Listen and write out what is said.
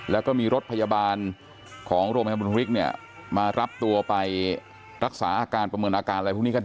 แล้วก็มีรถพยาบาลของโรงพยาบาลบุญฮริกเนี่ยมารับตัวไปรักษาอาการประเมินอาการอะไรพวกนี้กัน